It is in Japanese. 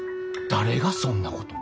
誰がそんなこと。